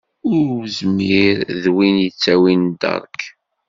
Uzmir d win yittawin ddeṛk.